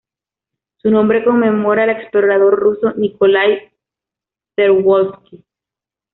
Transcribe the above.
Su nombre conmemora al explorador ruso Nikolái Przewalski.